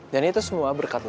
dan itu semua berkat lo